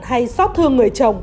hay xót thương người chồng